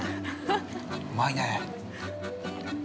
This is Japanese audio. ◆うまいね。